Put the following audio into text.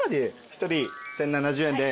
１人１，０７０円です。